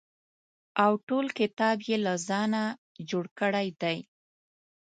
او ټول کتاب یې له ځانه جوړ کړی دی.